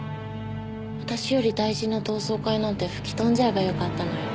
私より大事な同窓会なんて吹き飛んじゃえばよかったのよ。